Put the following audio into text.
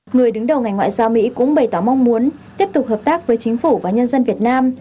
người đứng đầu ngành ngoại giao mỹ cũng bày tỏ mong muốn tiếp tục hợp tác với chính phủ và nhân dân việt nam